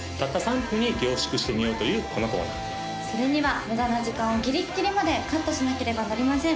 それには無駄な時間をギリッギリまでカットしなければなりません